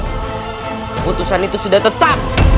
keputusan itu sudah tetap